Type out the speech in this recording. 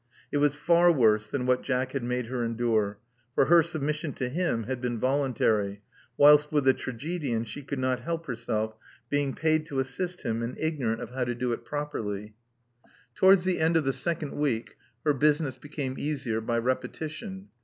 It was far worse than what Jack had made her endure ; for her submission to him had been voluntary; whilst with the tragedian she could not help herself, being paid to assist him, and ignorant of how to do it properly. 150 Love Among the Artists Towards the end of the second week her business became easier by repetition.